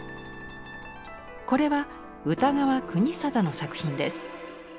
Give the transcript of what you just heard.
これは歌川国貞の作品です。